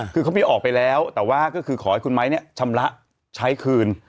คือเขาไม่ออกไปแล้วแต่ว่าก็คือขอให้คุณไม้เนี่ยชำระใช้คืน